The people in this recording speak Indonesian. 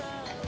main ke rumah